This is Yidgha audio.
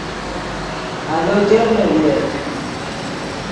آلو چرنے ڤییت